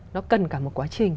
nó cần cả một quá trình